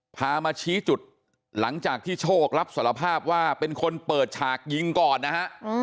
พามาชี้จุดหลังจากที่โชครับสารภาพว่าเป็นคนเปิดฉากยิงก่อนนะฮะ